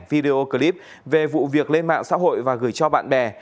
video clip về vụ việc lên mạng xã hội và gửi cho bạn bè